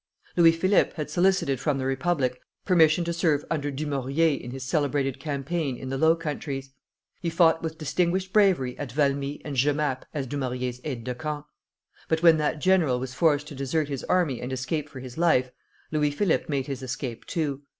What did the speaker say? Louis Philippe had solicited from the Republic permission to serve under Dumouriez in his celebrated campaign in the Low Countries. He fought with distinguished bravery at Valmy and Jemappes as Dumouriez's aide de camp; but when that general was forced to desert his army and escape for his life, Louis Philippe made his escape too.